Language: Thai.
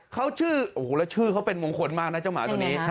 เขาชื่อโอ้โหแล้วชื่อเขาเป็นมงคลมากนะเจ้าหมาตัวนี้